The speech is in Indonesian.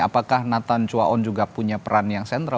apakah nathan chuaon juga punya peran yang sempurna